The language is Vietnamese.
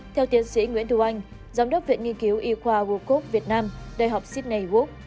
theo tiến sĩ nguyễn thu anh giám đốc viện nghiên cứu y khoa world cup việt nam đại học sydney uk